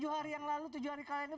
tujuh hari yang lalu tujuh hari kalender